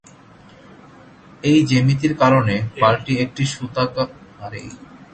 এর জ্যামিতির কারণে, পালটি একটি সুতাকাটার যন্ত্রের চেয়ে কম ভেঙে পড়ার সম্ভাবনা থাকে।